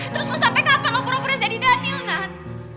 terus mau sampai kapan lo pura pura jadi daniel nahat